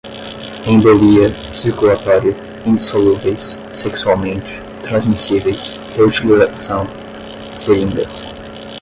embolia, circulatório, indissolúveis, sexualmente, transmissíveis, reutilização, seringas